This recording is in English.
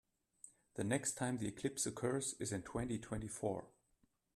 The next time the eclipse occurs is in twenty-twenty-four.